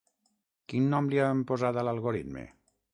Quin nom li han posat a l'algoritme?